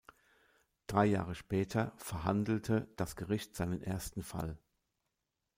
Drei Jahre später verhandelte das Gericht seinen ersten Fall.